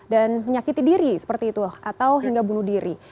dan menyakiti diri seperti itu atau hingga bunuh diri